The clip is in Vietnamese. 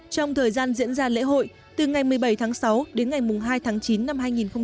trong thời gian diễn ra lễ hội từ ngày một mươi bảy tháng sáu đến ngày hai tháng chín năm hai nghìn một mươi chín